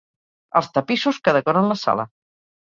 Els tapissos que decoren la sala.